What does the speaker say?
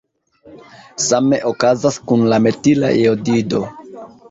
Same okazas kun la metila jodido.